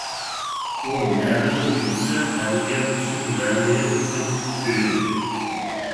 ئۇ نەدىلا يۈرسە ئەدەبىيات ئۈچۈن، مەنىۋىيەت ئۈچۈن كۆيىدۇ.